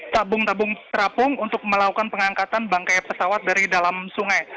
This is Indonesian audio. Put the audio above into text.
tabung tabung terapung untuk melakukan pengangkatan bangkai pesawat dari dalam sungai